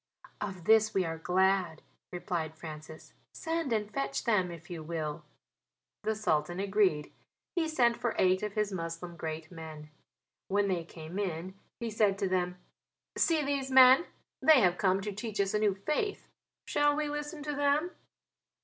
"Of this we are glad," replied Francis, "send and fetch them, if you will." The Sultan agreed; he sent for eight of his Moslem great men. When they came in he said to them: "See these men, they have come to teach us a new faith. Shall we listen to them?"